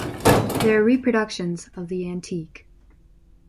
They are reproductions of the antique.